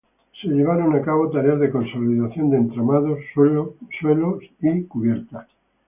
Se llevaron a cabo tareas de consolidación de entramados, suelos y cubiertas.